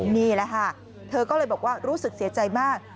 นี่แหละค่ะเธอก็เลยบอกว่ารู้สึกเสียใจมาก